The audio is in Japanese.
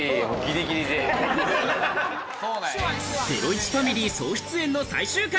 ゼロイチファミリー総出演の最終回。